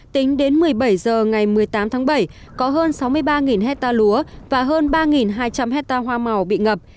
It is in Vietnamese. tính đến một mươi bảy h ngày một mươi tám tháng bảy có hơn sáu mươi ba hecta lúa và hơn ba hai trăm linh hectare hoa màu bị ngập